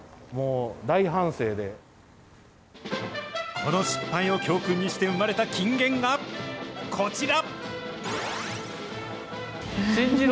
この失敗を教訓にして生まれた金言が、こちら。